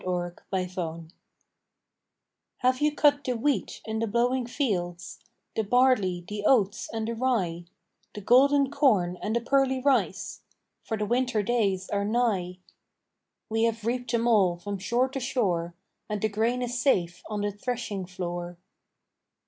THANKSGIVING "Have you cut the wheat in the blowing fields, The barley, the oats, and the rye, The golden corn and the pearly rice? For the winter days are nigh." "We have reaped them all from shore to shore, And the grain is safe on the threshing floor."